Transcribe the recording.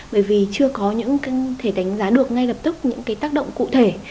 bởi vì chưa có thể đánh giá được ngay lập tức những tác động cụ thể